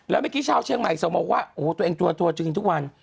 แล้วเมื่อกี้ชาวเชียงใหม่ส่งมาว่าโอ้โหตัวเองทัวร์จริงทุกวัน